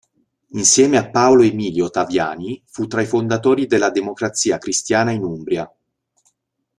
Insieme a Paolo Emilio Taviani, fu tra i fondatori della Democrazia Cristiana in Umbria.